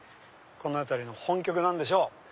この辺りの本局なんでしょう。